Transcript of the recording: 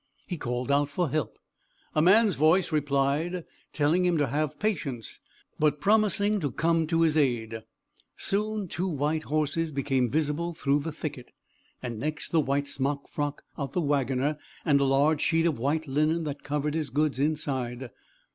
He called out for help: a man's voice replied telling him to have patience, but promising to come to his aid; soon two white horses became visible through the thicket, and next the white smock frock of the wagoner, and a large sheet of white linen that covered his goods inside.